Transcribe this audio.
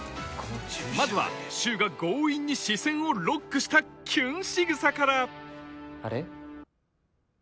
まずは柊が強引に視線をロックしたキュン仕草からあれ？